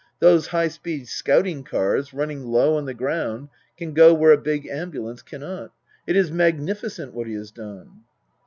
Those high speed scouting cars, running low on the ground, can go where a big ambulance cannot. It is magnificent what he has done."